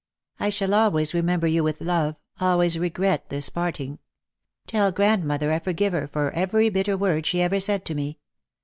" I shall always remember you with love, always regret this parting. Tell grandmother I forgive her for every bitter word she ever said to me.